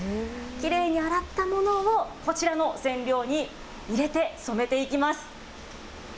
きれいに洗ったものを、こちらの染料に入れて、染めていきます。